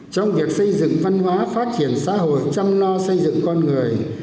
trong việc xây dựng văn hóa phát triển xã hội chăm lo xây dựng con người